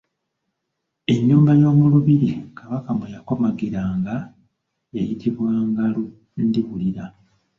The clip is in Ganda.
Ennyumba y’omu lubiri Kabaka mwe yakomagiranga yayitibwanga Ndiwulira.